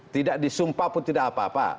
tidak disumpah pun tidak apa apa